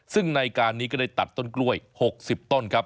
ซึ่งในการนี้ก็ได้ตัดต้นกล้วย๖๐ต้นครับ